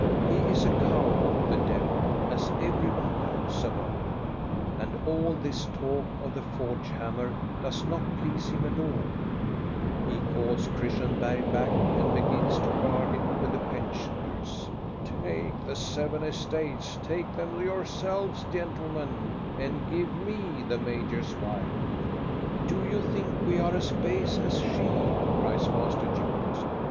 " He is a coward, the devil, as every one knows of old, and all this talk of the forge hammer does not please him at all. He calls Christian Bergh back and begins to bargain with the pensioners. "Take the seven estates; take them yourselves, gentlemen, and give me the major's wife !"" Do you think we are as base as she }" cries Master Julius.